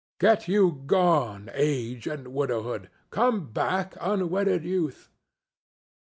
—Get you gone, Age and Widowhood!—Come back, unwedded Youth!